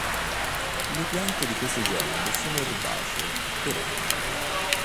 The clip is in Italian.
Le piante di questo genere sono erbacee perenni.